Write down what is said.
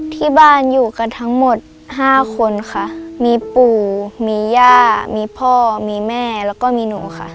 ที่บ้านอยู่กันทั้งหมดห้าคนค่ะมีปู่มีย่ามีพ่อมีแม่แล้วก็มีหนูค่ะ